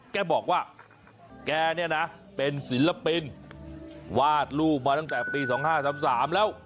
แกบอกว่าแกเนี่ยนะเป็นศิลปินวาดรูปมาตั้งแต่ปี๒๕๓๓แล้ว